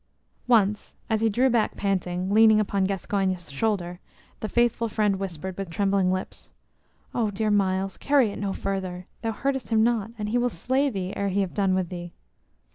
Once, as he drew back panting, leaning upon Gascoyne's shoulder, the faithful friend whispered, with trembling lips: "Oh, dear Myles, carry it no further. Thou hurtest him not, and he will slay thee ere he have done with thee."